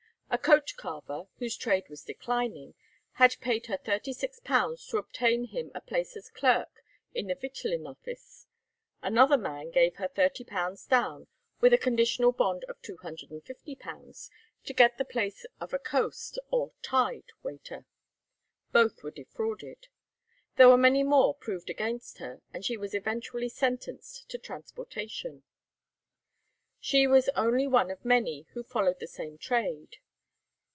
A coach carver, whose trade was declining, had paid her £36 to obtain him a place as clerk in the Victualling Office. Another man gave her £30 down, with a conditional bond for £250, to get the place of a "coast" or "tide" waiter. Both were defrauded. There were many more proved against her, and she was eventually sentenced to transportation. She was only one of many who followed the same trade.